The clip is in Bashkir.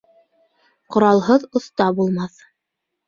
Ҡоралһыҙ оҫта булмаҫ